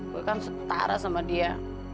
gue kan setara sama dia